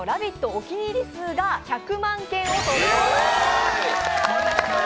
お気に入り数が１００万件を突破しました。